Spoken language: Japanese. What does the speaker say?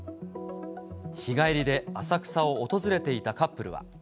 日帰りで浅草を訪れていたカップルは。